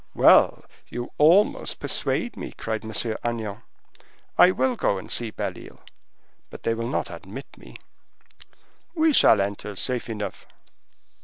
"Well, you almost persuade me," cried M. Agnan; "I will go and see Belle Isle, but they will not admit me." "We shall enter, safe enough."